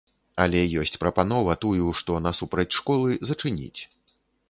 Але ёсць прапанова тую, што насупраць школы, зачыніць.